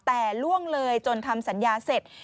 แต่ล่วงเลยจนทำสัญญาเสร็จ